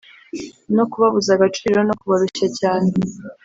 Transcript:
no kubabuza agaciro no kubarushya cyane.